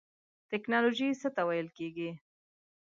ټیکنالوژی څه ته ویل کیږی؟